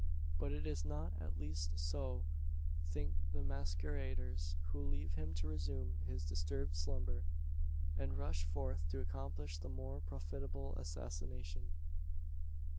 But it is not at least so think the masqueraders; who leave him to resume his disturbed slumber, and rush forth to accomplish the more profitable assassination.